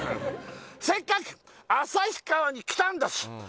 「せっかく旭川に来たんだし」